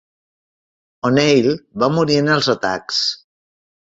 O'Neill va morir en els atacs.